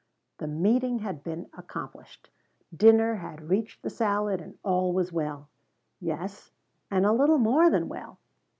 The meeting had been accomplished. Dinner had reached the salad, and all was well. Yes, and a little more than well.